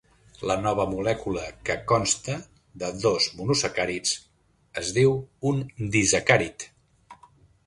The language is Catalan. La nova molècula que consta de dos monosacàrids es diu un disacàrid.